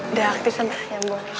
udah aktif tante ya boleh